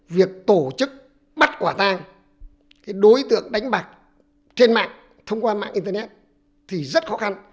việc tổ chức bắt quả tang đối tượng đánh bạc trên mạng thông qua mạng internet thì rất khó khăn